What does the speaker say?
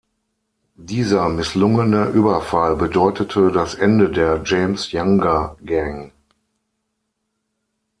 Dieser misslungene Überfall bedeutete das Ende der James-Younger-Gang.